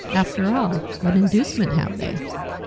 "After all, what inducement have they?"